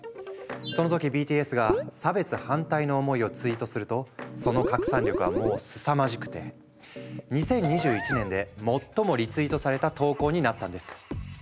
その時ＢＴＳが差別反対の思いをツイートするとその拡散力はもうすさまじくて２０２１年で最もリツイートされた投稿になったんです。